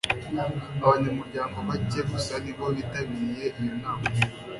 Abanyamuryango bake gusa ni bo bitabiriye iyo nama.